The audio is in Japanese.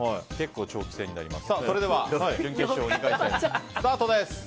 それでは準決勝２回戦スタートです。